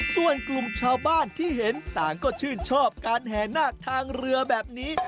ส่วนกลุ่มชาวบ้านที่เห็นต่างก็ชื่นชอบการแห่นาคทางเรือแบบนี้